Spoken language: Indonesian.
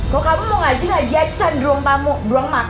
kalo kamu mau ngaji ngaji aja di ruang tamu ruang makan kek